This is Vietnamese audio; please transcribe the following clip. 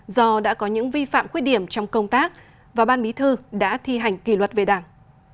do đã có những vi phạm khuyết điểm trong công tác và ban bí thư đã thi hành kỷ luật về đảng